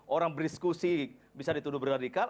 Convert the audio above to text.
orang berdiskusi bisa dituduh beradikal